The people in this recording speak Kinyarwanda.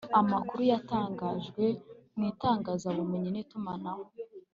amakuru yatangajwe mu itangazabumenyi n’itumanaho